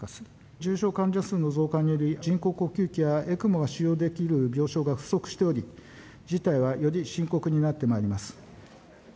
重症患者数の増加により、人工呼吸器やＥＣＭＯが使用できる病床が不足しており、事態はより深刻になってまいります。